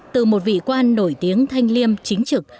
từ một vị quan nổi tiếng thanh liêm chính trực